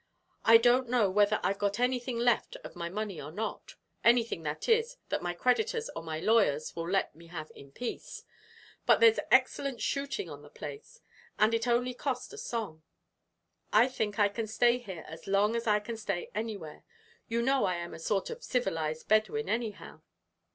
I don't know whether I've got anything left of my money or not anything, that is, that my creditors or my lawyers will let me have in peace but there's excellent shooting on the place, and it only cost a song. I think I can stay here as long as I can stay anywhere; you know I am a sort of civilized Bedouin anyhow.